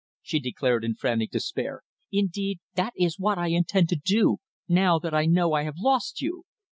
she declared, in frantic despair. "Indeed, that is what I intend to do now that I know I have lost you!"